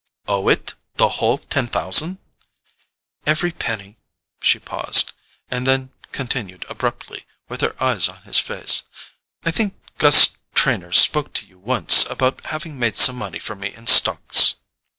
"Owe it? The whole ten thousand?" "Every penny." She paused, and then continued abruptly, with her eyes on his face: "I think Gus Trenor spoke to you once about having made some money for me in stocks."